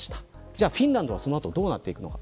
じゃあフィンランドはその後、どうなっていくのか。